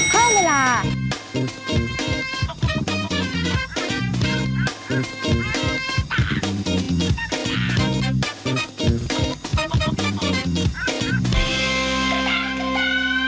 ข้ามละลา